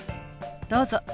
どうぞ。